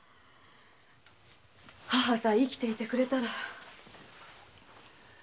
母さえ生きていてくれたら。